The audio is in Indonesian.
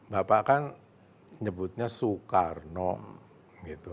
bapak kan nyebutnya soekarno gitu